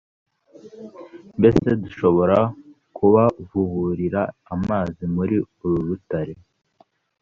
mbese dushobora kubavuburira amazi muri uru rutare?